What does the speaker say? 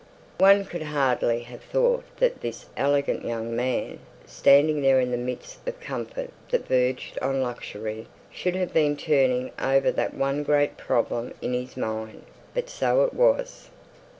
One could hardly have thought that this elegant young man, standing there in the midst of comfort that verged on luxury, should have been turning over that one great problem in his mind; but so it was.